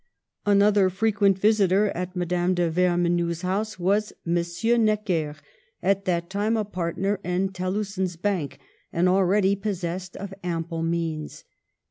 Another frequent visitor at Madame de Ver menoux's house was M. Necker, at that time a partner in Thellusson's bank, and already pos sessed of ample means.